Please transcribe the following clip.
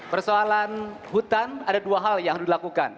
persoalan hutan ada dua hal yang harus dilakukan